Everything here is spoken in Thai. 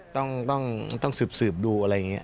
ต้องสืบดูอะไรอย่างนี้